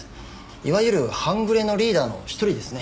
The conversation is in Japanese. いわゆる半グレのリーダーの１人ですね。